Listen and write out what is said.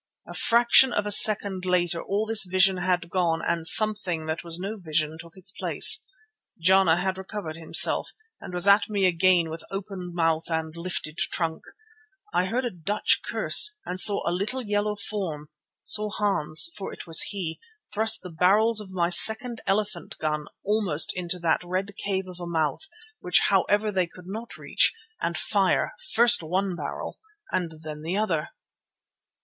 A fraction of a second later all this vision had gone and something that was no vision took its place. Jana had recovered himself and was at me again with open mouth and lifted trunk. I heard a Dutch curse and saw a little yellow form; saw Hans, for it was he, thrust the barrels of my second elephant rifle almost into that red cave of a mouth, which however they could not reach, and fire, first one barrel, then the other.